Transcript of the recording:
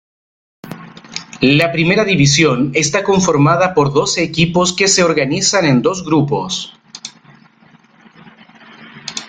La Primera División está conformada por doce equipos que se organizan en dos grupos.